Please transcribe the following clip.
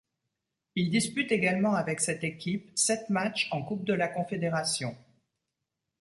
Il dispute également avec cette équipe sept matchs en Coupe de la confédération.